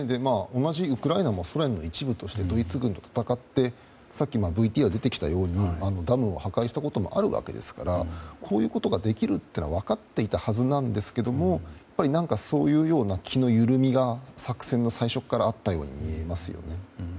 同じウクライナもソ連の一部としてドイツ軍と戦っていてＶＴＲにも出てきたようにダムを破壊したこともあるわけですからこういうことができるって分かっていたはずなんですけどもそういうような気の緩みが作戦の最初からあったように見えますよね。